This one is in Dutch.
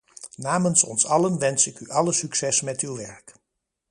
Namens ons allen wens ik u alle succes met uw werk.